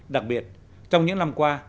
đặc biệt trong những năm qua